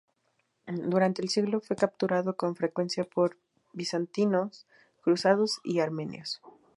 Durante el siglo fue capturado con frecuencia por bizantinos, cruzados y armenios.